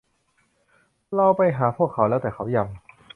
เราไปหาพวกเขาแล้ว แต่เขายัง